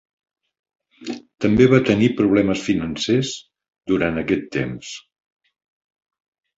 També va tenir problemes financers durant aquest temps.